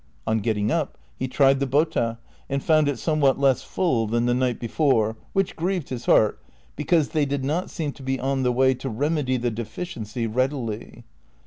On getting up he tried the bota and found it somewhat less full than the niglit before, which grieved his heart because they did not seem to be on the way to remedy the deficiency read ily.